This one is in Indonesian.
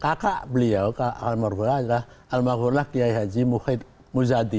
kakak beliau kak almarfurullah adalah almarfurullah kiai haji muhyiddin muzadi